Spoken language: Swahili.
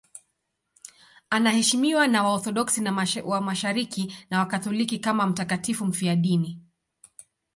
Anaheshimiwa na Waorthodoksi wa Mashariki na Wakatoliki kama mtakatifu mfiadini.